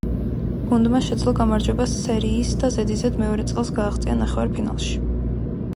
გუნდმა შეძლო გამარჯვება სერიის და ზედიზედ მეორე წელს გააღწია ნახევარ-ფინალში.